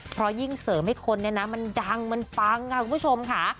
เพราะยิ่งเสริมให้คนเนี่ยนะมันดังมันปังค่ะคุณผู้ชมค่ะ